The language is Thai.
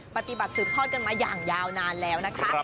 ปฏิบัติสืบทอดกันมาอย่างยาวนานแล้วนะคะ